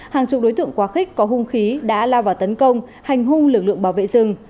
hàng chục đối tượng quá khích có hung khí đã lao vào tấn công hành hung lực lượng bảo vệ rừng